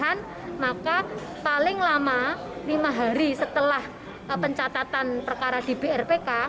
jika tidak ada pencatatan perselisihan maka paling lama lima hari setelah pencatatan perkara di brpk